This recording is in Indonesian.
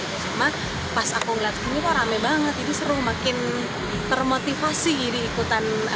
jangan en sembla pas aku lihat ini tadanya banget segel seru makin termotivasi di ikutan